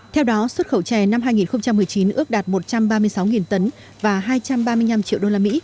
theo đó xuất khẩu chè năm hai nghìn một mươi chín ước đạt một trăm ba mươi sáu tấn và hai trăm ba mươi năm triệu usd